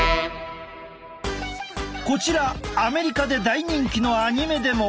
こちらアメリカで大人気のアニメでも。